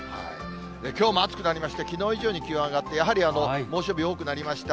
きょうも暑くなりまして、きのう以上に気温上がって、やはり猛暑日、多くなりました。